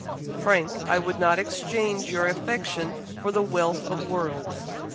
"Frank, I would not exchange your affection for the wealth of worlds.